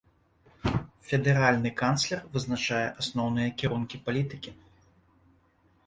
Федэральны канцлер вызначае асноўныя кірункі палітыкі.